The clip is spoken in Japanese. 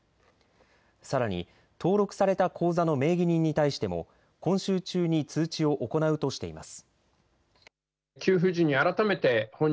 さらに登録された口座の名義人に対しても今週中に通知を行うとしています。